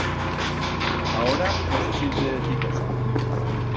Aora no se siente decir cosa.